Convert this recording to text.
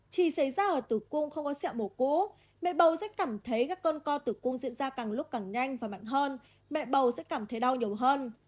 chỉ xảy ra ở tủ cung không có sẹo bổ cú mẹ bầu sẽ cảm thấy các cơn co tủ cung diễn ra càng lúc càng nhanh và mạnh hơn mẹ bầu sẽ cảm thấy đau nhiều hơn